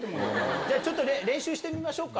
じゃあちょっと練習してみましょうか。